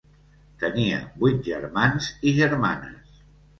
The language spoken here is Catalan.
Tenia vuit germans i germanes.